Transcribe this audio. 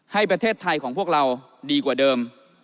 ให้ประเทศไทยของพวกเราดีกว่าเดิม